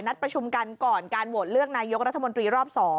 ประชุมกันก่อนการโหวตเลือกนายกรัฐมนตรีรอบ๒